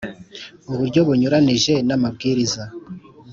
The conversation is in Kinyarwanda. uburyo bunyuranije n amabwiriza